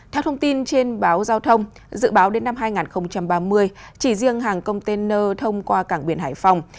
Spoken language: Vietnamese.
theo thông tin trên báo giao thông dự báo đến năm hai nghìn ba mươi chỉ riêng hàng container thông qua cảng biển hải phòng